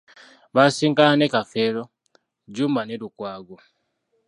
Baasisinkana ne Kafeero, Jjumba ne Lukwago.